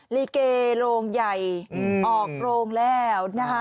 หลีเกโรงใหญ่ออกโรงแล้ว